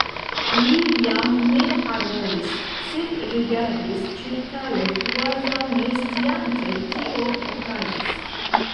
Li jam ne parolis, sed rigardis ĉirkaŭe kvazaŭ ne sciante kio okazis.